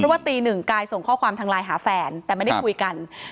ว่าตีหนึ่งกายส่งข้อความทางไลน์หาแฟนแต่ไม่ได้คุยกัน